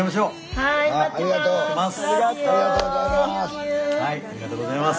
ありがとうございます。